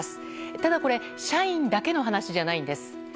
ただこれ社員だけの話じゃないんです。